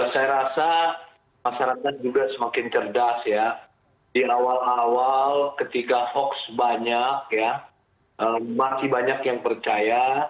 saya rasa masyarakat juga semakin cerdas ya di awal awal ketika hoax banyak masih banyak yang percaya